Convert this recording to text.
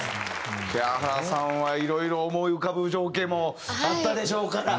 平原さんはいろいろ思い浮かぶ情景もあったでしょうから。